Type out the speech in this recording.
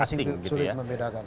masih sulit membedakan